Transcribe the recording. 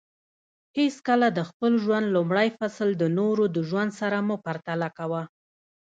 حیڅکله د خپل ژوند لومړی فصل د نورو د ژوند سره مه پرتله کوه